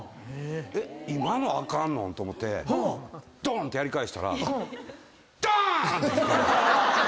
今のアカンの？と思ってドンってやり返したらドーン！ってきて。